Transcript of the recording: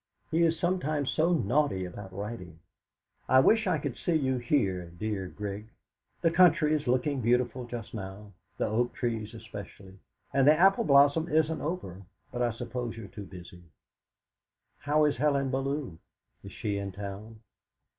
He is sometimes so naughty about writing. I wish we could see you here, dear Grig; the country is looking beautiful just now the oak trees especially and the apple blossom isn't over, but I suppose you are too busy. How is Helen Bellew? Is she in town?